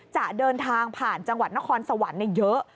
จะเดินทางผ่านจังหวัดนครสวรรค์เยอะ